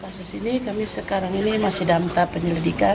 masuk disini kami sekarang ini masih dampak penyelidikan